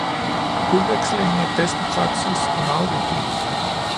Udvekslingen af bedste praksis er meget vigtig.